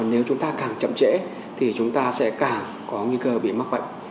nếu chúng ta càng chậm trễ thì chúng ta sẽ càng có nguy cơ bị mắc bệnh